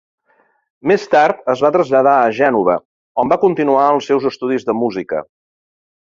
Més tard es va traslladar a Gènova, on va continuar els seus estudis de música.